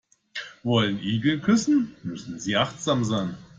Wollen Igel küssen, müssen sie achtsam sein.